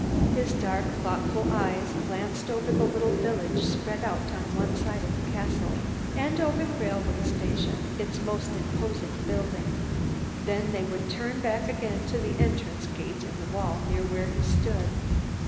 His dark, thoughtful eyes glanced over the little village spread out on one side of the castle, and over the railway station, its most imposing building. Then they would turn back again to the entrance gate in the wall near where he stood.